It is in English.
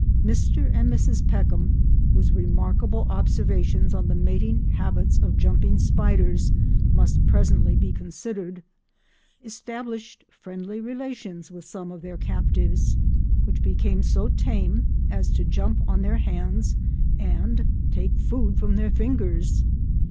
Mr and Mrs Peckham, whose remarkable observations on the mating habits of jumping spiders must presently be considered, established friendly relations with some of their captives which became so tame as to jump on their hands and take food from their fingers.